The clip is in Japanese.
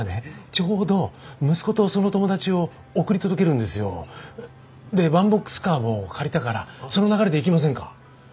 ちょうど息子とその友達を送り届けるんですよ。でワンボックスカーも借りたからその流れで行きませんか？